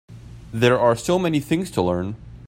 There are so many things to learn.